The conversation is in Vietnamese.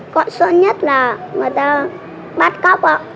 con sợ nhất là người ta bắt cóc ạ